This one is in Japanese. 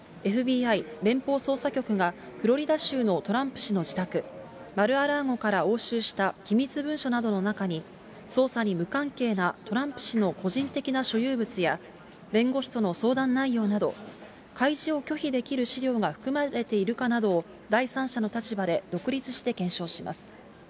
ＦＢＩ・連邦捜査局がフロリダ州のトランプ氏の自宅、マル・ア・ラーゴから押収した機密文書などの中に、捜査に無関係なトランプ氏の個人的な所有物や、弁護士との相談内容など、開示を拒否できる資料が含まれているかなどを第三者の立場で独立して検証します。